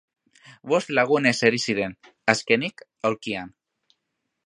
Bost lagun eseri ziren, azkenik, aulkian.